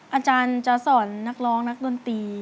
อาจารย์จะสอนนักร้องนักดนตรี